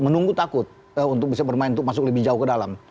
menunggu takut untuk bisa bermain untuk masuk lebih jauh ke dalam